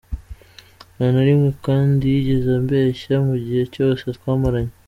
Nta na rimwe Kunda yigeze ambeshya mu gihe cyose twamaranye.